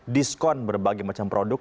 diskon berbagai macam produk